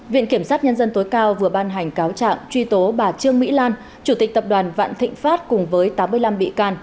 viện kiểm sát nhân dân tối cao vừa ban hành cáo trạng truy tố bà trương mỹ lan